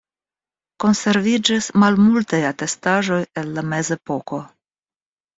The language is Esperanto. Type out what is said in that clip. Konserviĝis malmultaj atestaĵoj el la mezepoko.